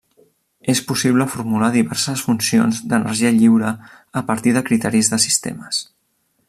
És possible formular diverses funcions d'energia lliure a partir de criteris de sistemes.